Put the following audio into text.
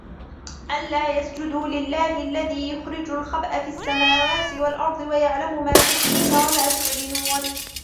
أَلَّا يَسْجُدُوا لِلَّهِ الَّذِي يُخْرِجُ الْخَبْءَ فِي السَّمَاوَاتِ وَالْأَرْضِ وَيَعْلَمُ مَا تُخْفُونَ وَمَا تُعْلِنُونَ